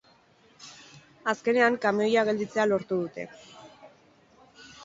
Azkenean, kamioia gelditzea lortu dute.